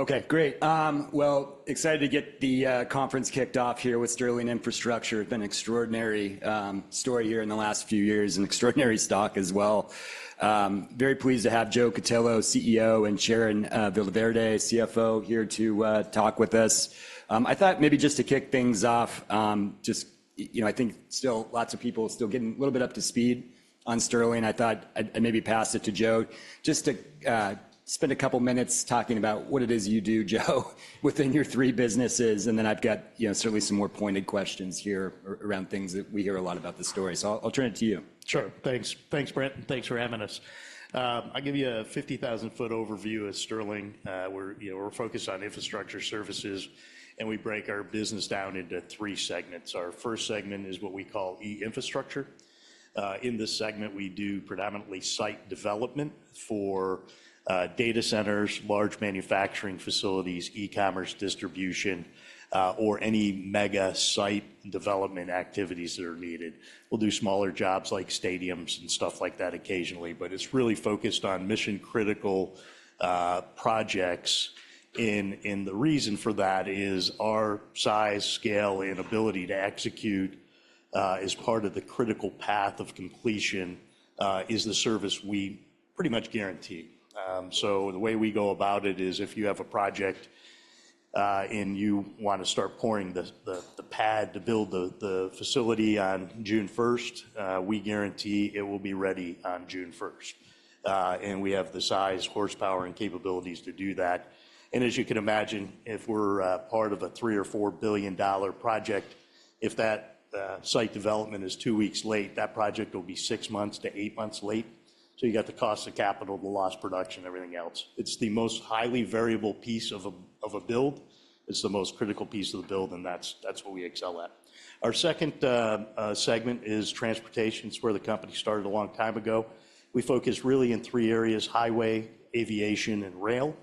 Okay, great. Well, excited to get the conference kicked off here with Sterling Infrastructure. It's been an extraordinary story here in the last few years, an extraordinary stock as well. Very pleased to have Joe Cutillo, CEO, and Sharon Villaverde, CFO, here to talk with us. I thought maybe just to kick things off, just you know, I think still lots of people still getting a little bit up to speed on Sterling. I thought I'd maybe pass it to Joe just to spend a couple of minutes talking about what it is you do, Joe, within your three businesses, and then I've got, you know, certainly some more pointed questions here around things that we hear a lot about the story. So I'll turn it to you. Sure. Thanks. Thanks, Brent, and thanks for having us. I'll give you a 50,000 foot overview of Sterling. We're, you know, we're focused on infrastructure services, and we break our business down into three segments. Our first segment is what we call E-Infrastructure. In this segment, we do predominantly site development for data centers, large manufacturing facilities, e-commerce, distribution, or any mega site development activities that are needed. We'll do smaller jobs like stadiums and stuff like that occasionally, but it's really focused on mission-critical projects, and the reason for that is our size, scale, and ability to execute is part of the critical path of completion is the service we pretty much guarantee. So the way we go about it is, if you have a project and you want to start pouring the pad to build the facility on June 1st, we guarantee it will be ready on June 1st, and we have the size, horsepower, and capabilities to do that. As you can imagine, if we're part of a $3-$4 billion project, if that site development is two weeks late, that project will be 6-8 months late. So you got the cost of capital, the lost production, everything else. It's the most highly variable piece of a build. It's the most critical piece of the build, and that's what we excel at. Our second segment is Transportation. It's where the company started a long time ago. We focus really in three areas: highway, aviation, and rail.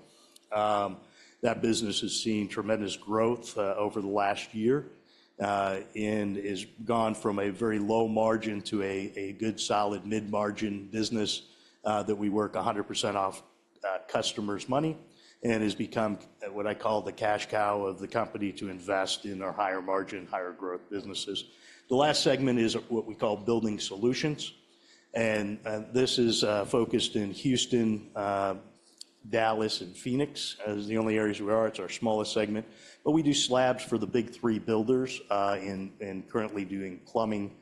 That business has seen tremendous growth over the last year and is gone from a very low margin to a good, solid mid-margin business that we work 100% off customers' money and has become what I call the cash cow of the company to invest in our higher margin, higher growth businesses. The last segment is what we call Building Solutions, and this is focused in Houston, Dallas, and Phoenix. As the only areas we are, it's our smallest segment, but we do slabs for the Big Three builders and currently doing plumbing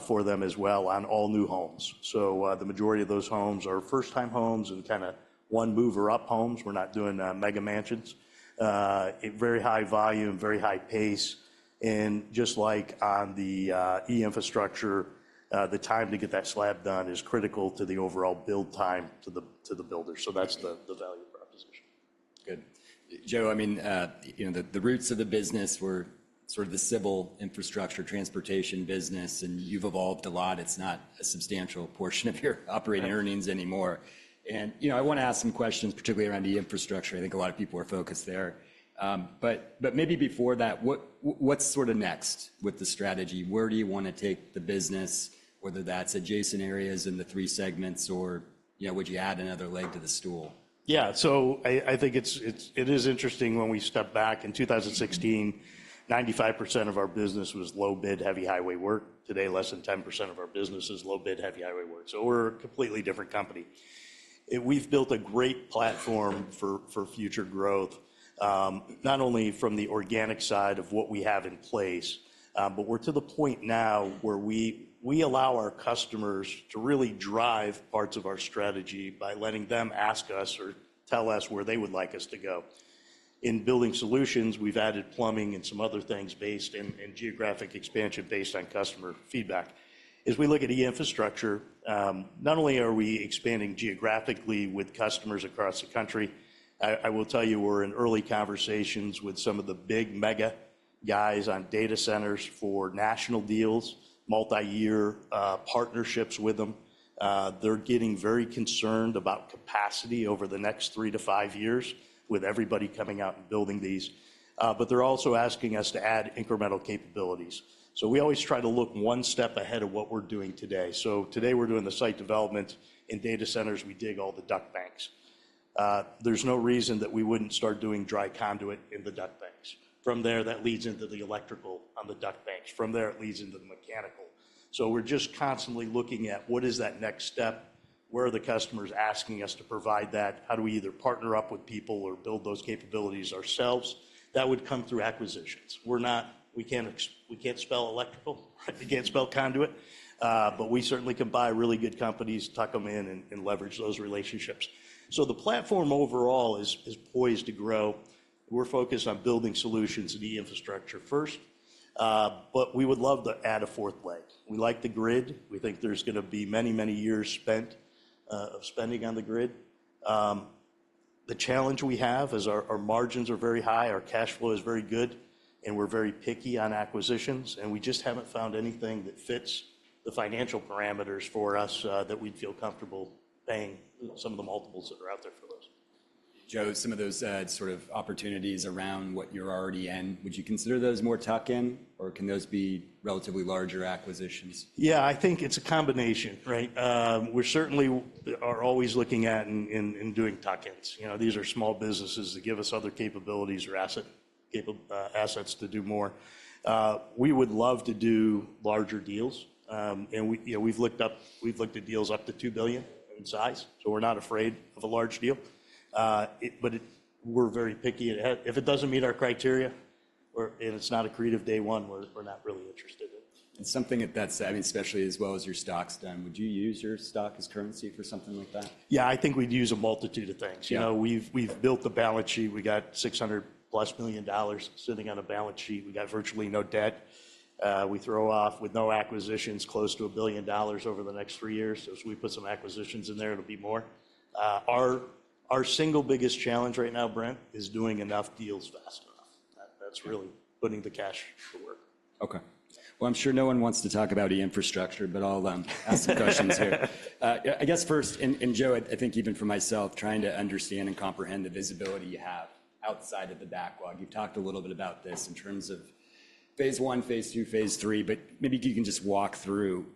for them as well on all new homes. So, the majority of those homes are first-time homes and kinda one move-up homes. We're not doing mega mansions. A very high volume, very high pace, and just like on the E-Infrastructure, the time to get that slab done is critical to the overall build time to the builders. So that's the value proposition. Good. Joe, I mean, you know, the roots of the business were sort of the civil infrastructure, transportation business, and you've evolved a lot. It's not a substantial portion of your operating earnings anymore. You know, I wanna ask some questions, particularly around the E-Infrastructure. I think a lot of people are focused there. But maybe before that, what's sorta next with the strategy? Where do you wanna take the business, whether that's adjacent areas in the three segments or, you know, would you add another leg to the stool? Yeah. So I think it is interesting when we step back. In 2016, 95% of our business was low bid, heavy highway work. Today, less than 10% of our business is low bid, heavy highway work, so we're a completely different company. We've built a great platform for future growth, not only from the organic side of what we have in place, but we're to the point now where we allow our customers to really drive parts of our strategy by letting them ask us or tell us where they would like us to go. In Building Solutions, we've added plumbing and some other things and geographic expansion based on customer feedback. As we look at E-Infrastructure, not only are we expanding geographically with customers across the country, I will tell you we're in early conversations with some of the big mega guys on data centers for national deals, multi-year, partnerships with them. They're getting very concerned about capacity over the next three to five years with everybody coming out and building these, but they're also asking us to add incremental capabilities. So we always try to look one step ahead of what we're doing today. So today we're doing the site development. In data centers, we dig all the duct banks. There's no reason that we wouldn't start doing dry conduit in the duct banks. From there, that leads into the electrical on the duct banks. From there, it leads into the mechanical. We're just constantly looking at what is that next step, where are the customers asking us to provide that, how do we either partner up with people or build those capabilities ourselves? That would come through acquisitions. We can't spell electrical. We can't spell conduit, but we certainly can buy really good companies, tuck 'em in, and leverage those relationships. The platform overall is poised to grow. We're focused on Building Solutions and E-Infrastructure first, but we would love to add a fourth leg. We like the grid. We think there's gonna be many, many years spent of spending on the grid. The challenge we have is our margins are very high, our cash flow is very good, and we're very picky on acquisitions, and we just haven't found anything that fits the financial parameters for us, that we'd feel comfortable paying some of the multiples that are out there for those. Joe, some of those sort of opportunities around what you're already in, would you consider those more tuck in, or can those be relatively larger acquisitions? Yeah, I think it's a combination, right? We certainly are always looking at and doing tuck-ins. You know, these are small businesses that give us other capabilities or asset-capable assets to do more. We would love to do larger deals, and we, you know, we've looked at deals up to $2 billion in size, so we're not afraid of a large deal, but we're very picky, and if it doesn't meet our criteria, or, and it's not accretive day one, we're not really interested in it. Something at that size, I mean, especially as well as your stock's done, would you use your stock as currency for something like that? Yeah, I think we'd use a multitude of things. You know, we've built the balance sheet. We got $600+ million sitting on a balance sheet. We got virtually no debt. We throw off, with no acquisitions, close to $1 billion over the next three years. So as we put some acquisitions in there, it'll be more. Our single biggest challenge right now, Brent, is doing enough deals fast enough. That's really putting the cash to work. Okay. I'm sure no one wants to talk about E-Infrastructure, but I'll ask some questions here. I guess first, and Joe, I think even for myself, trying to understand and comprehend the visibility you have outside of the backlog. You've talked a little bit about this in terms of Phase I, Phase II, Phase III, but maybe if you can just walk through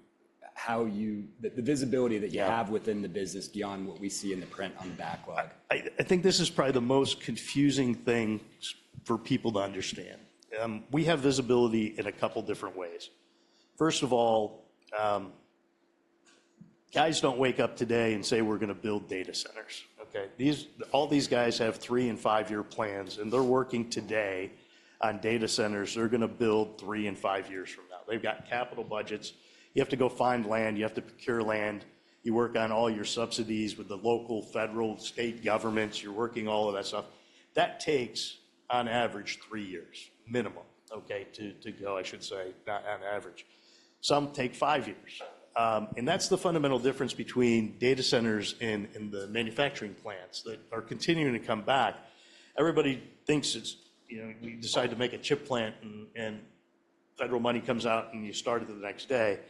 how you... The visibility that you have within the business beyond what we see in the print on the backlog. I think this is probably the most confusing thing for people to understand. We have visibility in a couple different ways. First of all, guys don't wake up today and say: We're going to build data centers. Okay? All these guys have three- and five-year plans, and they're working today on data centers they're going to build three and five years from now. They've got capital budgets. You have to go find land, you have to procure land, you work on all your subsidies with the local, federal, state governments. You're working all of that stuff. That takes, on average, three years minimum, okay, to go, I should say, not on average. Some take five years, and that's the fundamental difference between data centers and the manufacturing plants that are continuing to come back. Everybody thinks it's, you know, you decide to make a chip plant, and federal money comes out, and you start it the next day.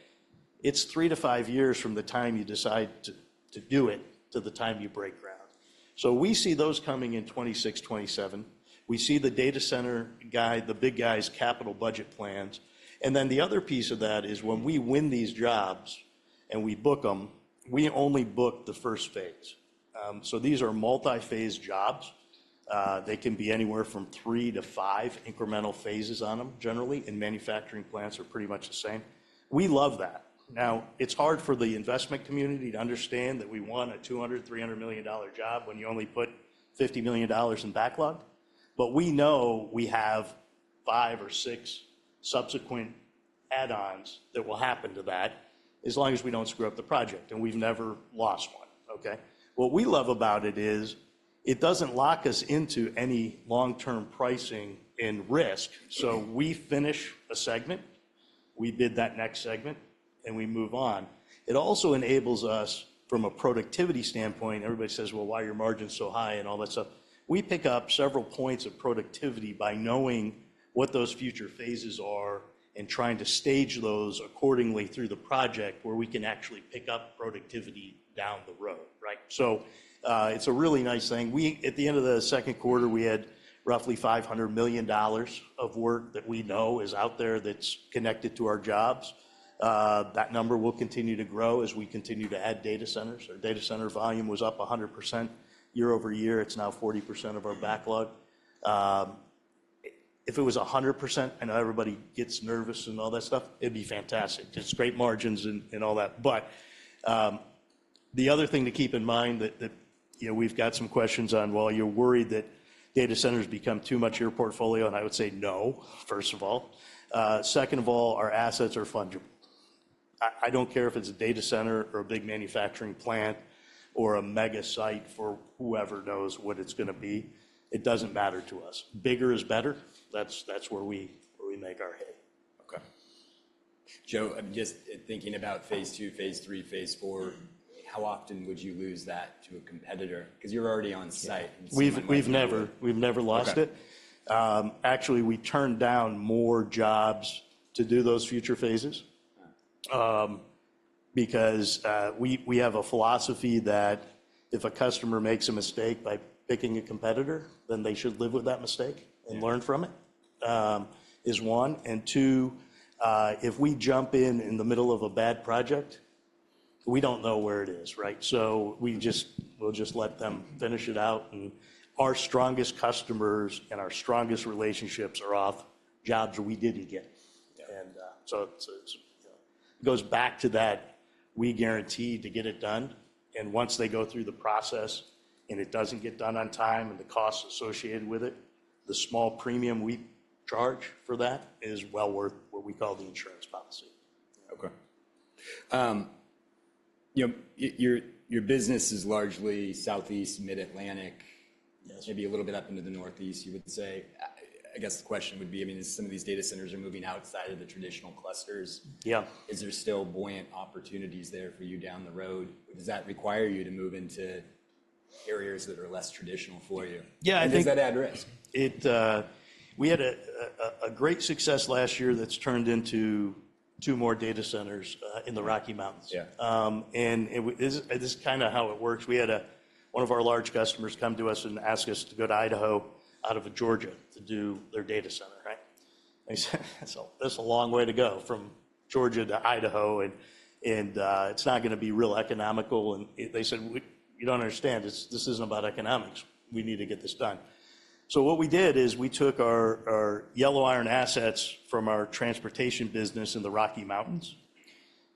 It's three to five years from the time you decide to do it to the time you break ground. So we see those coming in 2026, 2027. We see the data center guy, the big guys' capital budget plans. Then the other piece of that is, when we win these jobs, and we book them, we only book the first phase. So these are multi-phase jobs. They can be anywhere from three to five incremental phases on them, generally, and manufacturing plants are pretty much the same. We love that. Now, it's hard for the investment community to understand that we won a $200-$300 million job when you only put $50 million in backlog. But we know we have five or six subsequent add-ons that will happen to that, as long as we don't screw up the project, and we've never lost one, okay? What we love about it is, it doesn't lock us into any long-term pricing and risk. So we finish a segment, we bid that next segment, and we move on. It also enables us, from a productivity standpoint, everybody says: "Well, why are your margins so high?" and all that stuff. We pick up several points of productivity by knowing what those future phases are and trying to stage those accordingly through the project, where we can actually pick up productivity down the road, right? So, it's a really nice thing. At the end of the second quarter, we had roughly $500 million of work that we know is out there that's connected to our jobs. That number will continue to grow as we continue to add data centers. Our data center volume was up 100% year-over-year. It's now 40% of our backlog. If it was 100%, I know everybody gets nervous and all that stuff, it'd be fantastic. Just great margins and all that, but the other thing to keep in mind, you know, we've got some questions on, well, you're worried that data centers become too much of your portfolio, and I would say no, first of all. Second of all, our assets are fungible. I don't care if it's a data center or a big manufacturing plant or a mega site for whoever knows what it's going to be. It doesn't matter to us. Bigger is better. That's where we make our hay. Okay. Joe, I'm just thinking about Phase II, Phase III, Phase IV. How often would you lose that to a competitor because you're already on site- We've never lost it. Okay. Actually, we turn down more jobs to do those future phases because we have a philosophy that if a customer makes a mistake by picking a competitor, then they should live with that mistake and learn from it, is one. Two, if we jump in in the middle of a bad project, we don't know where it is, right? So we'll just let them finish it out, and our strongest customers and our strongest relationships are off jobs that we did again. It goes back to that. We guarantee to get it done, and once they go through the process and it doesn't get done on time and the costs associated with it, the small premium we charge for that is well worth what we call the insurance policy. Okay. You know, your business is largely Southeast, Mid-Atlantic, maybe a little bit up into the Northeast, you would say. I guess the question would be, I mean, some of these data centers are moving outside of the traditional clusters. Yeah. Is there still buoyant opportunities there for you down the road? Does that require you to move into areas that are less traditional for you? Yeah, I think- Does that add risk? We had a great success last year that's turned into two more data centers in the Rocky Mountains. Yeah. This is kind of how it works. We had one of our large customers come to us and ask us to go to Idaho out of Georgia to do their data center, right? I said, "So that's a long way to go from Georgia to Idaho, and it's not gonna be real economical." They said, "You don't understand. This isn't about economics. We need to get this done." So what we did is, we took our yellow iron assets from our transportation business in the Rocky Mountains.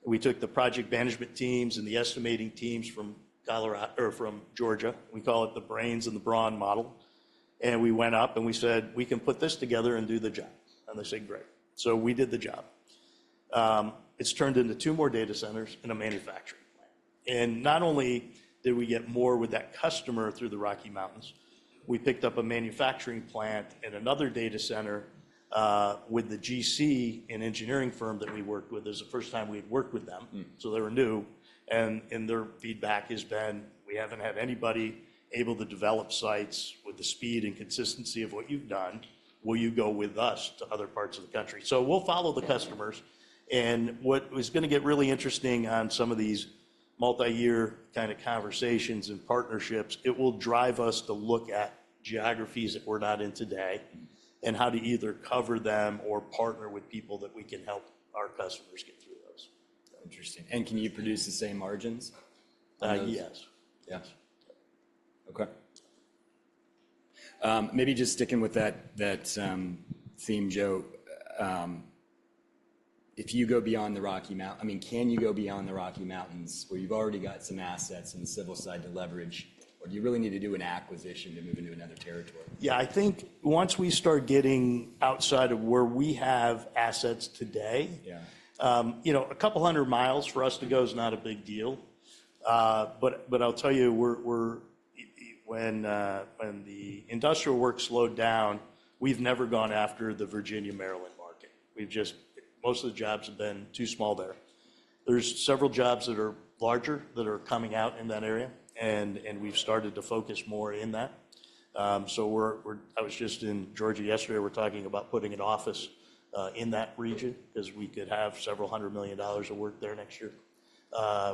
We took the project management teams and the estimating teams from Colorado, or from Georgia. We call it the brains and the brawn model and we went up, and we said, "We can put this together and do the job." They said, "Great!" So we did the job. It's turned into two more data centers and a manufacturing plant, and not only did we get more with that customer through the Rocky Mountains, we picked up a manufacturing plant and another data center with the GC, an engineering firm that we worked with. It was the first time we'd worked with them so they were new, and their feedback has been: "We haven't had anybody able to develop sites with the speed and consistency of what you've done. Will you go with us to other parts of the country?" So we'll follow the customers. What is gonna get really interesting on some of these multi-year kind of conversations and partnerships, it will drive us to look at geographies that we're not in today and how to either cover them or partner with people that we can help our customers get through those. Interesting, and can you produce the same margins? Yes. Okay. Maybe just sticking with that theme, Joe, if you go beyond the Rocky Mountains... I mean, can you go beyond the Rocky Mountains, where you've already got some assets in the civil side to leverage, or do you really need to do an acquisition to move into another territory? Yeah, I think once we start getting outside of where we have assets today, you know, a couple hundred miles for us to go is not a big deal, but I'll tell you, when the industrial work slowed down, we've never gone after the Virginia, Maryland market. We've just... Most of the jobs have been too small there. There's several jobs that are larger, that are coming out in that area, and we've started to focus more in that. I was just in Georgia yesterday. We're talking about putting an office in that region, 'cause we could have several hundred million dollars of work there next year,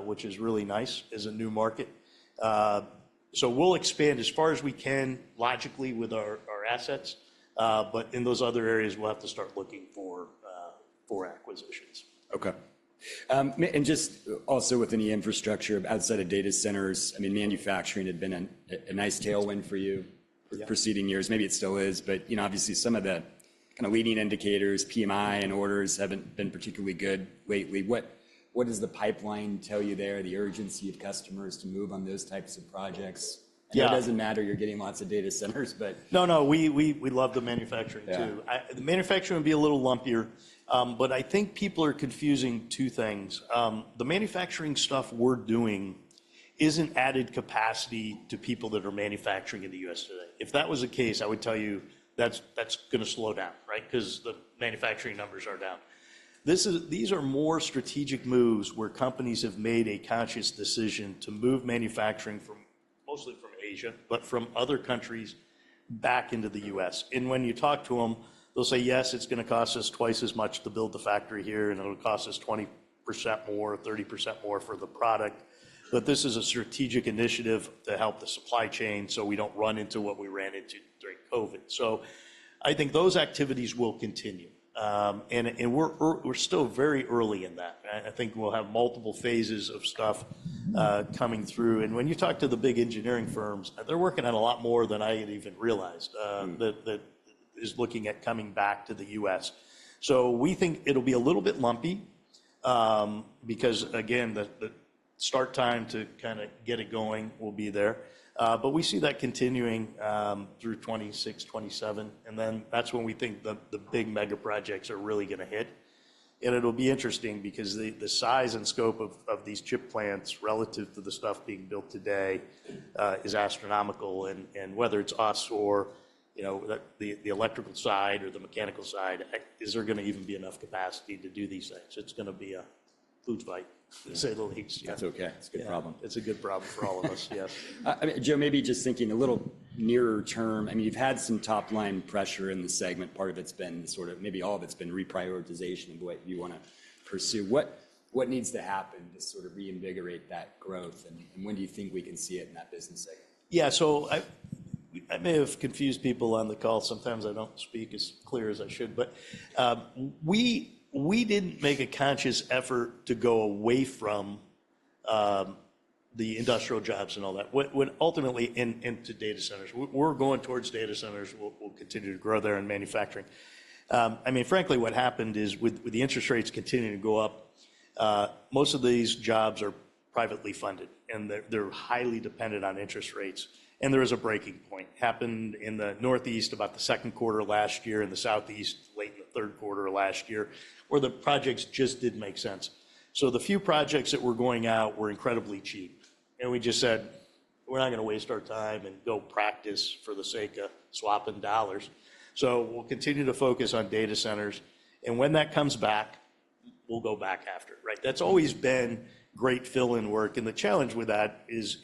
which is really nice, as a new market, so we'll expand as far as we can, logically, with our assets, but in those other areas, we'll have to start looking for acquisitions. Okay. Just also within the infrastructure outside of data centers, I mean, manufacturing had been a nice tailwind for you preceding years. Maybe it still is, but, you know, obviously some of the kind of leading indicators, PMI and orders, haven't been particularly good lately. What, what does the pipeline tell you there, the urgency of customers to move on those types of projects? It doesn't matter, you're getting lots of data centers, but- No, we love the manufacturing too. Yeah. The manufacturing will be a little lumpier. But I think people are confusing two things. The manufacturing stuff we're doing is an added capacity to people that are manufacturing in the U.S. today. If that was the case, I would tell you, "That's gonna slow down," right? 'Cause the manufacturing numbers are down. These are more strategic moves, where companies have made a conscious decision to move manufacturing from, mostly from Asia, but from other countries, back into the U.S. When you talk to 'em, they'll say, "Yes, it's gonna cost us twice as much to build the factory here, and it'll cost us 20% more or 30% more for the product, but this is a strategic initiative to help the supply chain, so we don't run into what we ran into during COVID." So I think those activities will continue. We're still very early in that. I think we'll have multiple phases of stuff coming through and when you talk to the big engineering firms, they're working on a lot more than I had even realized that is looking at coming back to the U.S. So we think it'll be a little bit lumpy, because, again, the start time to kind of get it going will be there. But we see that continuing through 2026, 2027, and then that's when we think the big mega projects are really gonna hit. It'll be interesting because the size and scope of these chip plants relative to the stuff being built today is astronomical and whether it's us or, you know, the electrical side or the mechanical side, is there gonna even be enough capacity to do these things? It's gonna be a food fight, to say the least. That's okay. It's a good problem. Yeah, it's a good problem for all of us. Yes. I mean, Joe, maybe just thinking a little nearer term, I mean, you've had some top-line pressure in the segment. Part of it's been sort of, maybe all of it's been reprioritization of what you want to pursue. What needs to happen to sort of reinvigorate that growth, and when do you think we can see it in that business segment? Yeah, so I may have confused people on the call. Sometimes I don't speak as clear as I should. We didn't make a conscious effort to go away from the industrial jobs and all that. What ultimately into data centers, we're going towards data centers. We'll continue to grow there in manufacturing. I mean, frankly, what happened is with the interest rates continuing to go up, most of these jobs are privately funded, and they're highly dependent on interest rates. There is a breaking point. Happened in the Northeast about the second quarter of last year, in the Southeast, late third quarter of last year, where the projects just didn't make sense. So the few projects that were going out were incredibly cheap, and we just said, "We're not gonna waste our time and go practice for the sake of swapping dollars. So we'll continue to focus on data centers, and when that comes back, we'll go back after it," right? That's always been great fill-in work, and the challenge with that is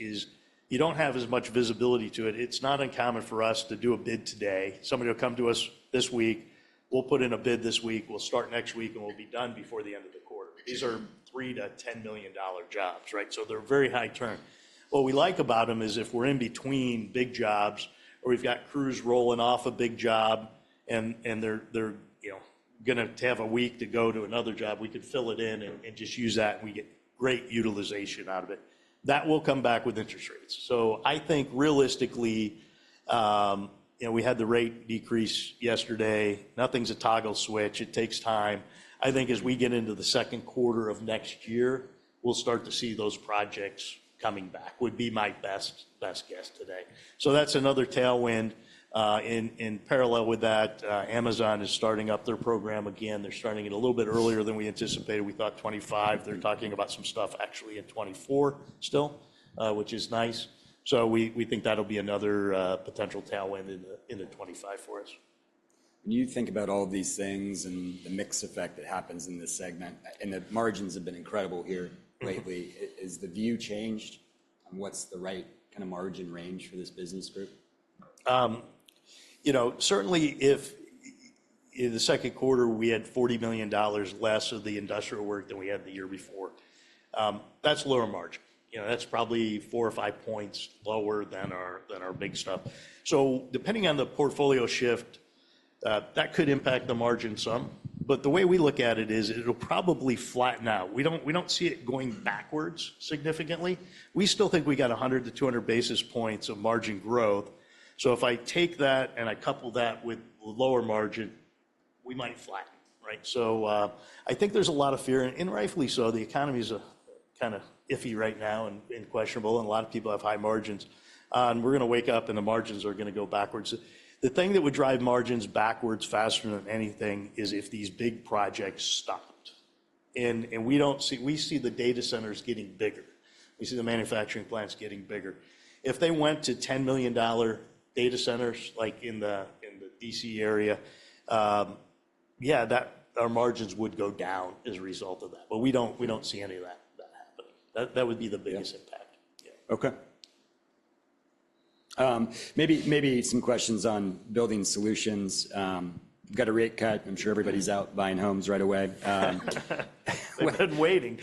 you don't have as much visibility to it. It's not uncommon for us to do a bid today. Somebody will come to us this week, we'll put in a bid this week, we'll start next week, and we'll be done before the end of the quarter. These are $3-$10 million jobs, right? So they're very high turn. What we like about them is, if we're in between big jobs or we've got crews rolling off a big job and they're, you know going to have a week to go to another job, we could fill it in and just use that, and we get great utilization out of it. That will come back with interest rates. So I think realistically, you know, we had the rate decrease yesterday. Nothing's a toggle switch. It takes time. I think as we get into the second quarter of next year, we'll start to see those projects coming back, would be my best, best guess today. So that's another tailwind. In parallel with that, Amazon is starting up their program again. They're starting it a little bit earlier than we anticipated. We thought 2025. They're talking about some stuff actually in 2024 still, which is nice. So we think that'll be another potential tailwind in the 2025 for us. When you think about all these things and the mix effect that happens in this segment, and the margins have been incredible here lately, has the view changed on what's the right kind of margin range for this business group? You know, certainly if in the second quarter, we had $40 million less of the industrial work than we had the year before. That's lower margin. You know, that's probably 4 or 5 points lower than our big stuff. So depending on the portfolio shift, that could impact the margin some, but the way we look at it is, it'll probably flatten out. We don't see it going backwards significantly. We still think we got 100 to 200 basis points of margin growth. So if I take that, and I couple that with lower margin, we might flatten, right? So, I think there's a lot of fear, and rightfully so. The economy is kind of iffy right now and questionable, and a lot of people have high margins. We're gonna wake up, and the margins are gonna go backwards. The thing that would drive margins backwards faster than anything is if these big projects stopped, and we don't see. We see the data centers getting bigger. We see the manufacturing plants getting bigger. If they went to $10 million data centers, like in the DC area, yeah, that our margins would go down as a result of that, but we don't see any of that happening. That would be the biggest impact. Yeah. Okay. Maybe some questions on Building Solutions. We've got a rate cut. I'm sure everybody's out buying homes right away. They've been waiting.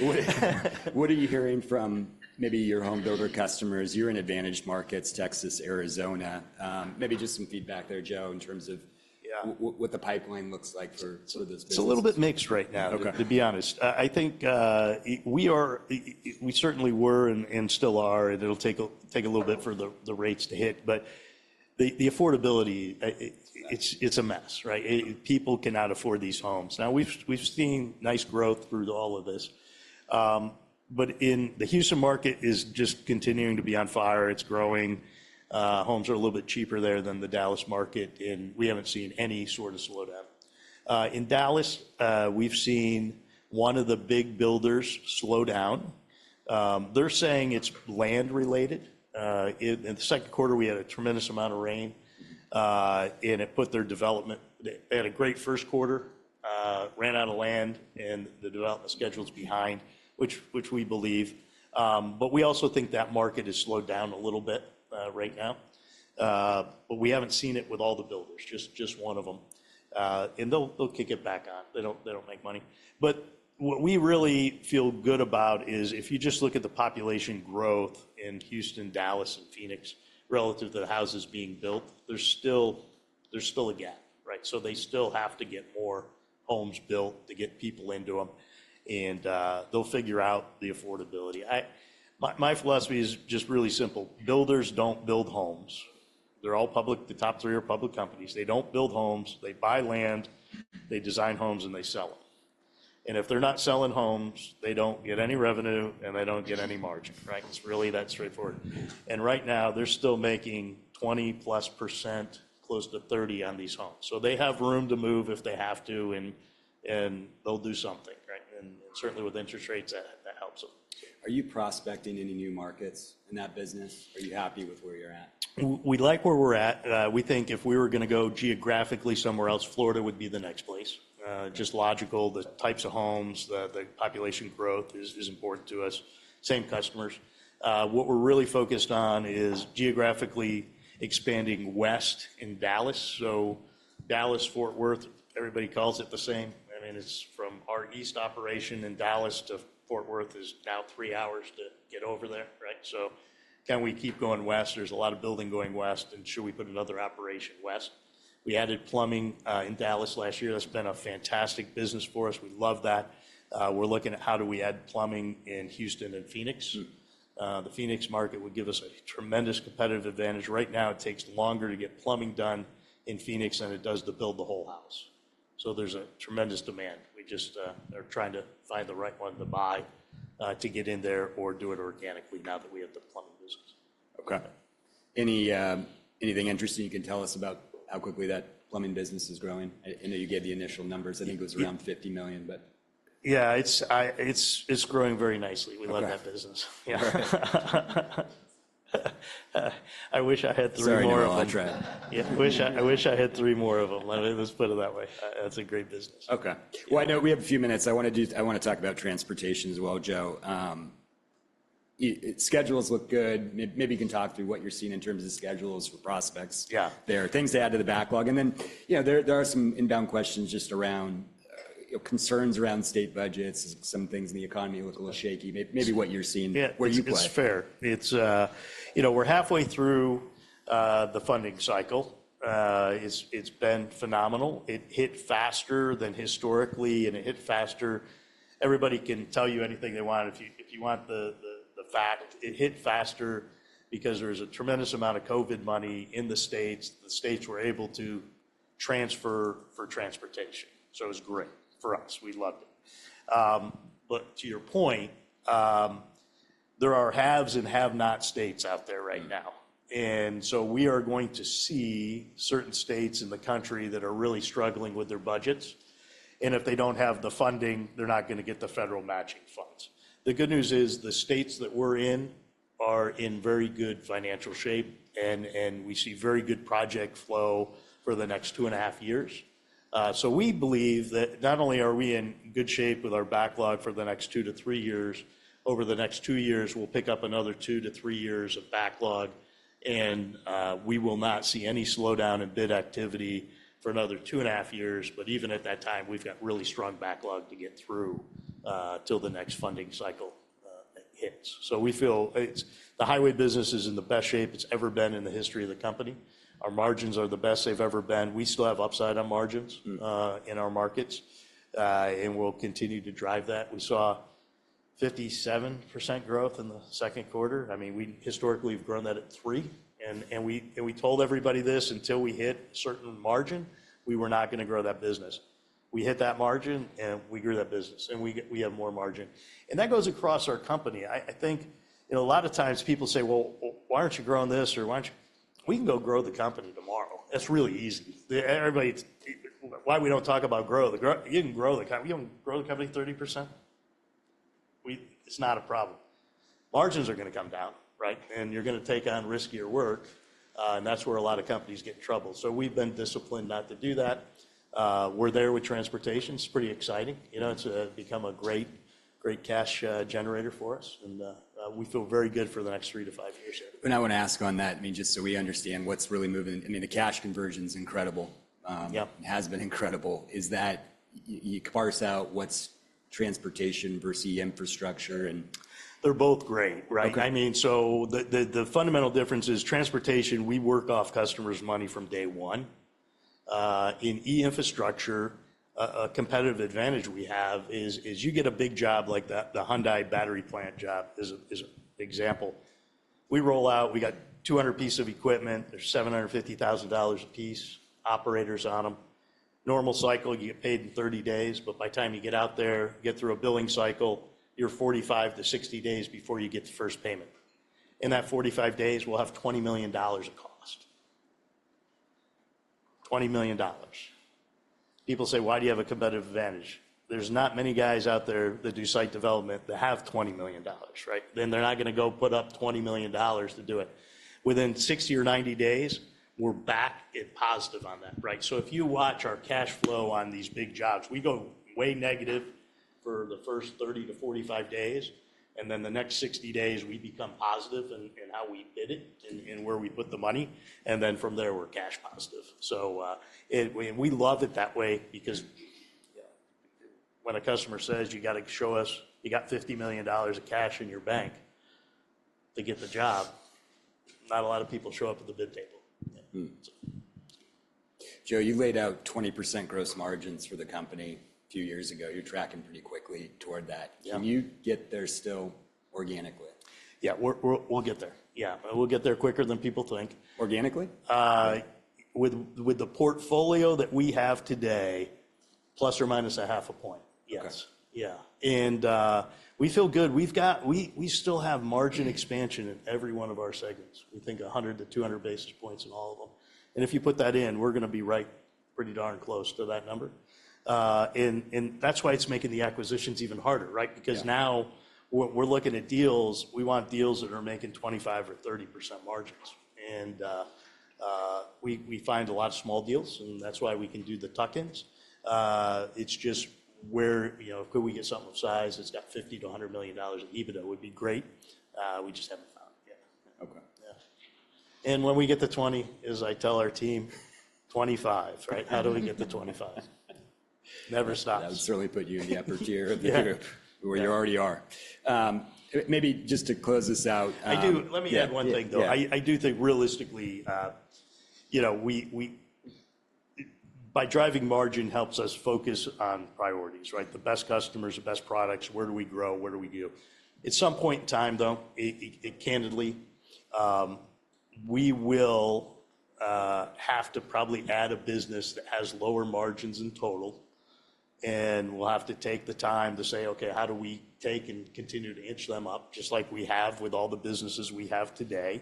What are you hearing from maybe your home builder customers? You're in advantage markets, Texas, Arizona. Maybe just some feedback there, Joe, in terms of what the pipeline looks like for some of those business. It's a little bit mixed right now to be honest. I think we certainly were and still are, and it'll take a little bit for the rates to hit, but the affordability, it's a mess, right? People cannot afford these homes. Now, we've seen nice growth through all of this, but in the Houston market is just continuing to be on fire. It's growing. Homes are a little bit cheaper there than the Dallas market, and we haven't seen any sort of slowdown. In Dallas, we've seen one of the big builders slow down. They're saying it's land related. In the second quarter, we had a tremendous amount of rain, and it put their development. They had a great first quarter, ran out of land, and the development schedule is behind, which we believe, but we also think that market has slowed down a little bit right now, but we haven't seen it with all the builders, just one of them, and they'll kick it back on. They don't make money. But what we really feel good about is if you just look at the population growth in Houston, Dallas, and Phoenix relative to the houses being built, there's still a gap, right, so they still have to get more homes built to get people into them, and they'll figure out the affordability. My philosophy is just really simple: Builders don't build homes. They're all public. The top three are public companies. They don't build homes, they buy land, they design homes, and they sell them. If they're not selling homes, they don't get any revenue, and they don't get any margin, right? It's really that straightforward and right now, they're still making 20%+, close to 30% on these homes. So they have room to move if they have to, and they'll do something, right? Certainly, with interest rates, that helps them. Are you prospecting any new markets in that business? Are you happy with where you're at? We like where we're at. We think if we were gonna go geographically somewhere else, Florida would be the next place. Just logical, the types of homes, the population growth is important to us. Same customers. What we're really focused on is geographically expanding west in Dallas. So Dallas, Fort Worth, everybody calls it the same. I mean, it's from our east operation in Dallas to Fort Worth is now three hours to get over there, right? So can we keep going west? There's a lot of building going west, and should we put another operation west? We added plumbing in Dallas last year. That's been a fantastic business for us. We love that. We're looking at how do we add plumbing in Houston and Phoenix. The Phoenix market would give us a tremendous competitive advantage. Right now, it takes longer to get plumbing done in Phoenix than it does to build the whole house. So there's a tremendous demand. We just are trying to find the right one to buy, to get in there or do it organically now that we have the plumbing business. Okay. Anything interesting you can tell us about how quickly that plumbing business is growing? I know you gave the initial numbers. I think it was around $50 million, but... Yeah, it's growing very nicely. We love that business. Right. I wish I had three more of them. Sorry, I'll try. Yeah, I wish I had three more of them. Let's put it that way. That's a great business. Okay. Well, I know we have a few minutes. I wanna talk about transportation as well, Joe. Your schedules look good. Maybe you can talk through what you're seeing in terms of schedules for prospects, there, things to add to the backlog. Then, you know, there are some inbound questions just around concerns around state budgets. Some things in the economy look a little shaky. Maybe what you're seeing where you play. It's fair. It's, you know, we're halfway through the funding cycle. It's, it's been phenomenal. It hit faster than historically, and it hit faster. Everybody can tell you anything they want. If you want the fact, it hit faster because there was a tremendous amount of COVID money in the States. The states were able to transfer for transportation, so it was great for us. We loved it. But to your point, there are haves and have-not states out there right now. So we are going to see certain states in the country that are really struggling with their budgets, and if they don't have the funding, they're not gonna get the federal matching funds. The good news is the states that we're in are in very good financial shape, and we see very good project flow for the next two and a half years. So we believe that not only are we in good shape with our backlog for the next two to three years, over the next two years, we'll pick up another two to three years of backlog, and we will not see any slowdown in bid activity for another two and a half years. Even at that time, we've got really strong backlog to get through till the next funding cycle hits. So we feel the highway business is in the best shape it's ever been in the history of the company. Our margins are the best they've ever been. We still have upside on margins in our markets, and we'll continue to drive that. We saw 57% growth in the second quarter. I mean, we historically have grown that at 3%, and we told everybody this: until we hit a certain margin, we were not gonna grow that business. We hit that margin, and we grew that business, and we have more margin. That goes across our company. I think, you know, a lot of times people say, "Well, why aren't you growing this?" Or, "Why don't you..." We can go grow the company tomorrow. It's really easy. Everybody, it's why we don't talk about growth. You can grow the company. We can grow the company 30%. It's not a problem. Margins are gonna come down, and you're gonna take on riskier work, and that's where a lot of companies get in trouble. So we've been disciplined not to do that. We're there with transportation. It's pretty exciting. You know, it's become a great, great cash generator for us, and we feel very good for the next three-to-five years here. But I want to ask on that, I mean, just so we understand what's really moving. I mean, the cash conversion's incredible has been incredible. Is that, you parse out what's transportation versus E-Infrastructure, and they're both great, right? I mean, so the fundamental difference is transportation, we work off customers' money from day one. In E-infrastructure, a competitive advantage we have is you get a big job like the Hyundai battery plant job is an example. We roll out, we got 200 pieces of equipment. They're $750,000 a piece, operators on them. Normal cycle, you get paid in 30 days, but by the time you get out there, get through a billing cycle, you're 45-60 days before you get the first payment. In that 45 days, we'll have $20 million of cost. $20 million. People say, "Why do you have a competitive advantage?" There's not many guys out there that do site development that have $20 million, right? Then they're not gonna go put up $20 million to do it. Within 60 or 90 days, we're back in positive on that, right? So if you watch our cash flow on these big jobs, we go way negative for the first 30-45 days, and then the next 60 days, we become positive in, in how we bid it and, and where we put the money, and then from there, we're cash positive. So, and we love it that way because when a customer says, "You gotta show us you got $50 million of cash in your bank to get the job," not a lot of people show up at the bid table. Joe, you laid out 20% gross margins for the company a few years ago. You're tracking pretty quickly toward that. Can you get there still organically? Yeah, we'll get there. Yeah, we'll get there quicker than people think. Organically? With the portfolio that we have today, ±0.5 point. Yes. Yeah, and we feel good. We've got. We still have margin expansion in every one of our segments. We think 100-200 basis points in all of them, and if you put that in, we're gonna be right pretty darn close to that number and that's why it's making the acquisitions even harder, right. Now, we're looking at deals. We want deals that are making 25% or 30% margins, and we find a lot of small deals, and that's why we can do the tuck-ins. It's just where, you know, could we get something of size that's got $50 million-$100 million of EBITDA would be great. We just haven't found it yet. Okay. Yeah, and when we get to 20, as I tell our team, 25, right? How do we get to 25? Never stops. That would certainly put you in the upper tier to where you already are. Maybe just to close this out, I do- Yeah, yeah. Let me add one thing, though. Yeah. I do think realistically, you know, by driving margin helps us focus on priorities, right? The best customers, the best products, where do we grow, where do we go? At some point in time, though, candidly, we will have to probably add a business that has lower margins in total, and we'll have to take the time to say, "Okay, how do we take and continue to inch them up?" Just like we have with all the businesses we have today.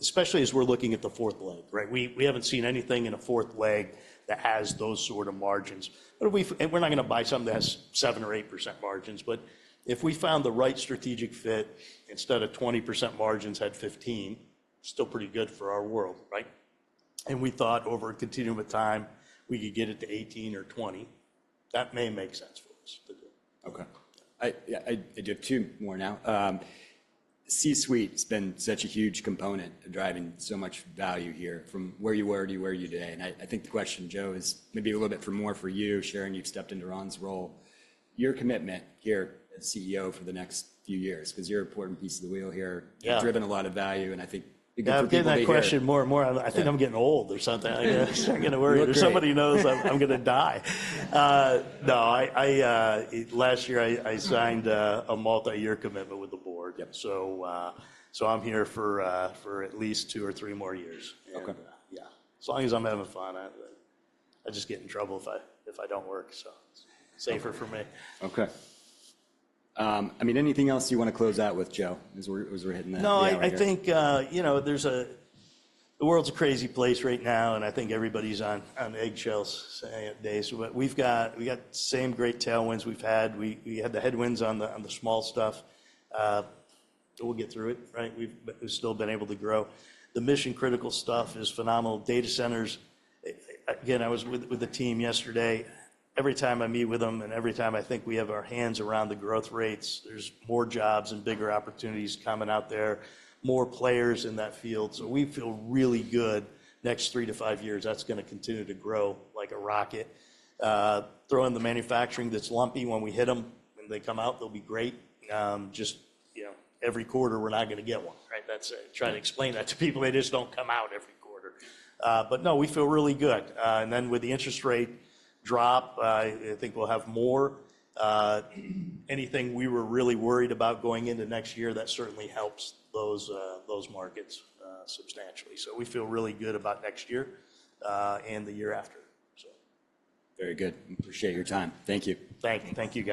Especially as we're looking at the fourth leg, right? We haven't seen anything in a fourth leg that has those sort of margins. But if we, and we're not gonna buy something that has 7% or 8% margins, but if we found the right strategic fit, instead of 20% margins, had 15%, still pretty good for our world, right? We thought over a continuum of time, we could get it to 18% or 20%, that may make sense for us. Okay. Yeah, I do have two more now. C-suite's been such a huge component in driving so much value here from where you were to where you are today, and I think the question, Joe, is maybe a little bit more for you. Sharon, you've stepped into Ron's role. Your commitment here as CEO for the next few years, 'cause you're an important piece of the wheel here, you've driven a lot of value, and I think it'd be good for people to hear. I'm getting that question more and more. I think I'm getting old or something. I guess I'm getting worried- You look great. or somebody knows I'm gonna die. No, last year I signed a multi-year commitment with the board, so I'm here for at least two or three more years. Okay. Yeah. As long as I'm having fun, I just get in trouble if I don't work, so it's safer for me. Okay. I mean, anything else you want to close out with, Joe, as we're hitting the end here? No, I think you know, the world's a crazy place right now, and I think everybody's on eggshells these days. But we've got the same great tailwinds we've had. We had the headwinds on the small stuff. But we'll get through it, right? We've still been able to grow. The mission-critical stuff is phenomenal. Data centers, again, I was with the team yesterday. Every time I meet with them, and every time I think we have our hands around the growth rates, there's more jobs and bigger opportunities coming out there, more players in that field. So we feel really good. Next three to five years, that's gonna continue to grow like a rocket. Throw in the manufacturing that's lumpy when we hit them. When they come out, they'll be great. Just, you know, every quarter we're not gonna get one, right? That's it. Try to explain that to people. They just don't come out every quarter. But no, we feel really good. Then with the interest rate drop, I think we'll have more. Anything we were really worried about going into next year, that certainly helps those, those markets, substantially. So we feel really good about next year, and the year after, so... Very good. We appreciate your time. Thank you. Thank you. Thank you, guys.